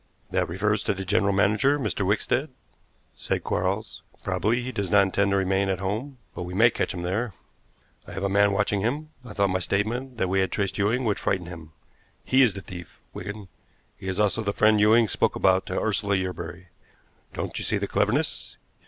"That refers to the general manager, Mr. Wickstead," said Quarles. "Probably he does not intend to remain at home, but we may catch him there. I have a man watching him. I thought my statement that we had traced Ewing would frighten him. He is the thief, Wigan. He is also the friend Ewing spoke about to Ursula Yerbury. Don't you see the cleverness?